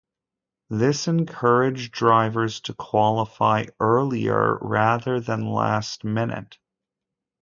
This encouraged drivers to qualify earlier rather than last minute.